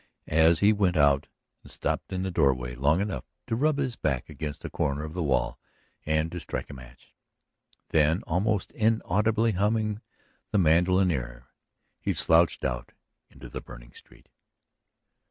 As he went out he stopped in the doorway long enough to rub his back against a corner of the wall and to strike a match. Then, almost inaudibly humming the mandolin air, he slouched out into the burning street.